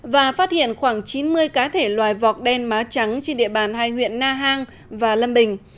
và phát hiện khoảng chín mươi cá thể loài vọc đen má trắng trên địa bàn hai huyện na hàng và lâm bình